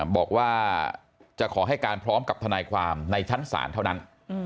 บอกว่าจะขอให้การพร้อมกับทนายความในชั้นศาลเท่านั้น